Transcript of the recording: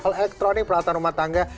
elektronik peralatan rumah tangga